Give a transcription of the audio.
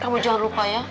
kamu jangan lupa ya